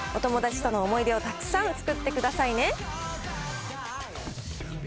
お友達との思い出をたくさん作ってくださいね。